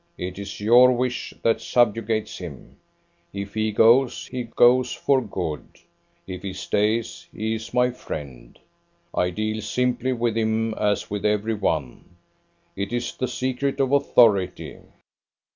It is your wish, that subjugates him. If he goes, he goes for good. If he stays, he is my friend. I deal simply with him, as with every one. It is the secret of authority.